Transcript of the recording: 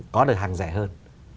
có được hàng rẻ hơn